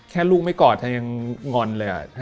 แค่ลูกไม่กอดยังงอนเลย